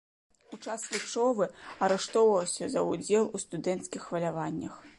У час вучобы арыштоўваўся за ўдзел у студэнцкіх хваляваннях.